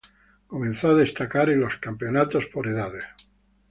Comenzó a destacar en los campeonatos por edades.